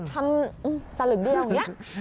สลึงเดียวอย่างนี้